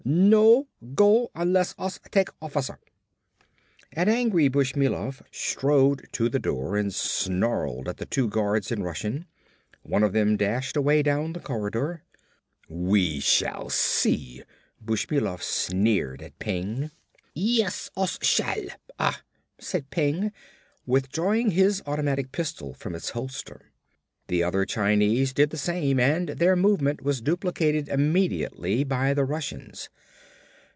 "No go unless us take officer." An angry Bushmilov strode to the door and snarled at the two guards in Russian. One of them dashed away down the corridor. "We shall see," Bushmilov sneered at Peng. "Yes us shall, ah!" said Peng, withdrawing his automatic pistol from its holster. The other Chinese did the same and their movement was duplicated immediately by the Russians.